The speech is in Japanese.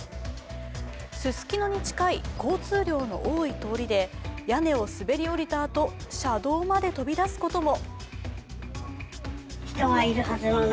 ススキノに近い交通量の多い通りで、屋根を滑り降りたあと車道まで飛び出すことも。